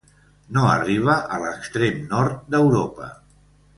No arriba a l'extrem nord d'Europa.